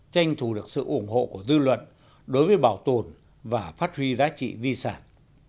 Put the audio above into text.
tranh thủ được sự ủng hộ của dư luận đối với bảo tồn và phát huy giá trị di sản